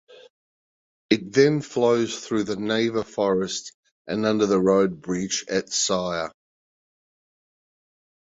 It then flows through the Naver Forest and under the road bridge at Syre.